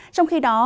trong khi đó